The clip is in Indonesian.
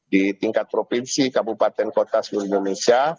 di tingkat provinsi kabupaten kota seluruh indonesia